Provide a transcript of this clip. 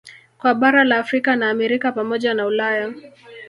Kwa bara la Afrika na Amerika pamoja na Ulaya